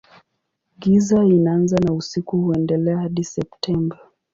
Giza inaanza na usiku huendelea hadi Septemba.